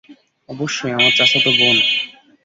অবশ্যই, আমার চাচাতো বোন।